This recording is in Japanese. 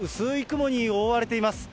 雲に覆われています。